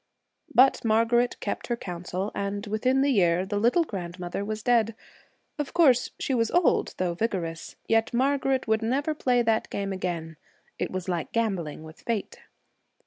But Margaret kept her counsel, and, within the year, the little grandmother was dead. Of course, she was old, though vigorous; yet Margaret would never play that game again. It was like gambling with fate.